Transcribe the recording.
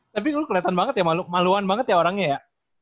tapi kelihatan banget ya maluan banget ya orangnya ya